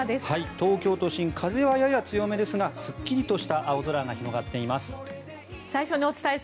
東京都心風はやや強めですがすっきりとした青空が広がっています。